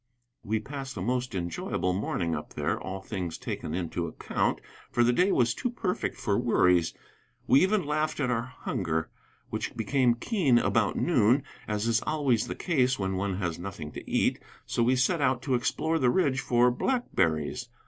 We passed a most enjoyable morning up there, all things taken into account, for the day was too perfect for worries. We even laughed at our hunger, which became keen about noon, as is always the case when one has nothing to eat; so we set out to explore the ridge for blackberries.